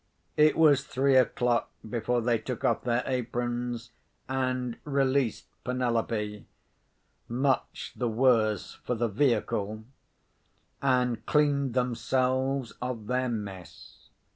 It was three o'clock before they took off their aprons, and released Penelope (much the worse for the vehicle), and cleaned themselves of their mess.